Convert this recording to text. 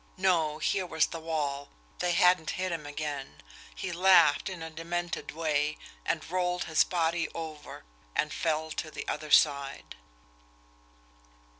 No, here was the wall they hadn't hit him again he laughed in a demented way and rolled his body over, and fell to the other side.